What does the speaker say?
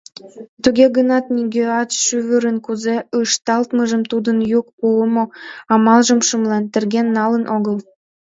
Туге гынат нигӧат шӱвырын кузе ышталтмыжым, тудын йӱк пуымо амалжым шымлен, терген налын огыл.